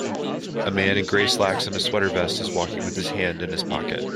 A man in gray slacks and a sweater vest is walking with his hand in his pocket.